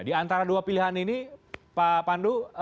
di antara dua pilihan ini pak pandu